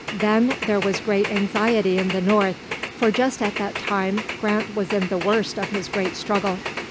Then there was great anxiety in the North, for just at that time Grant was in the worst of his great struggle.